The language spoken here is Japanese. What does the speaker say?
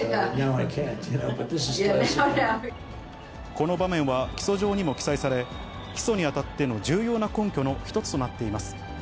この場面は、起訴状にも記載され、起訴にあたっての重要な根拠の１つとなっています。